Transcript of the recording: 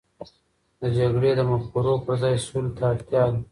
د جګړې د مفکورو پر ځای، سولې ته اړتیا ده.